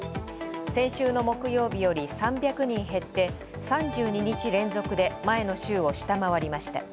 先週の木曜日より３００人減って３２日連続で前の週を下回りました。